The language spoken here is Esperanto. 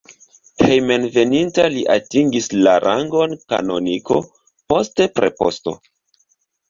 Hejmenveninta li atingis la rangon kanoniko, poste preposto.